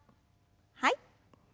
はい。